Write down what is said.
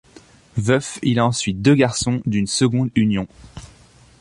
Veuf, il a ensuite deux garçons d'une seconde union.